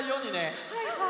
はいはい。